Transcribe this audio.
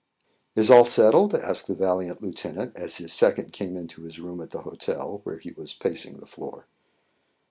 "Is all settled?" asked the valiant lieutenant, as his second came into his room at the hotel, where he was pacing the floor.